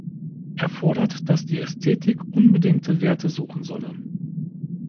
Er fordert, dass die Ästhetik unbedingte Werte suchen solle.